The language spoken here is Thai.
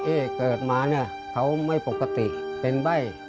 เอ๊ะเกิดมาเขาไม่ปกติเป็นใบ้